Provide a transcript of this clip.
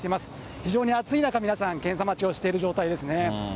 非常に暑い中、皆さん、検査待ちをしている状態ですね。